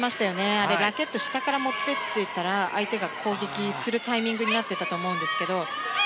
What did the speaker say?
あれ、ラケット下から持って行ってたら相手が攻撃するタイミングになっていたと思うんですけど。